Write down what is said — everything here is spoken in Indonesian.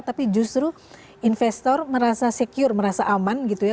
tapi justru investor merasa secure merasa aman gitu ya